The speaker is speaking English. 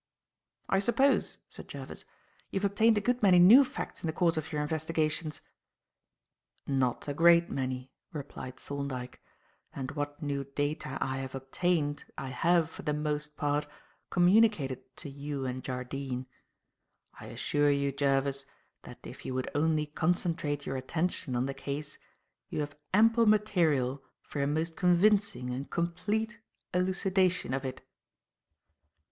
"I suppose," said Jervis, "you have obtained a good many new facts in the course of your investigations?" "Not a great many," replied Thorndyke; "and what new data I have obtained, I have, for the most part, communicated to you and Jardine. I assure you, Jervis, that if you would only concentrate your attention on the case, you have ample material for a most convincing and complete elucidation of it."